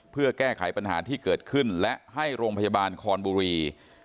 เพื่อแก้ไขปัญหาที่เกิดขึ้นและให้โรงพยาบาลคอนบุรี